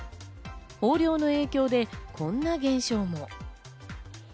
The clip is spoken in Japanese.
豊漁の影響で、こんな現象も。